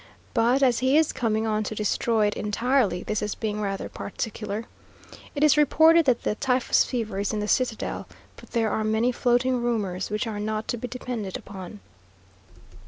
But as he is coming on to destroy it entirely, this is being rather particular. It is reported that the typhus fever is in the citadel, but there are many floating rumours which are not to be depended upon....